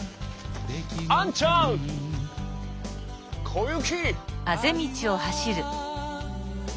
小雪！